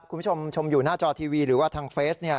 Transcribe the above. คุณผู้ชมชมอยู่หน้าจอทีวีหรือว่าทางเฟส